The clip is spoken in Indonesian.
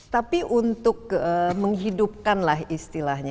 tapi untuk menghidupkan lah istilahnya